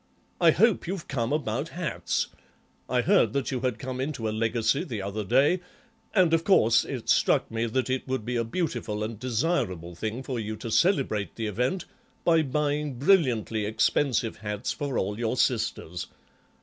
I hope you've come about hats. I heard that you had come into a legacy the other day, and, of course, it struck me that it would be a beautiful and desirable thing for you to celebrate the event by buying brilliantly expensive hats for all your sisters.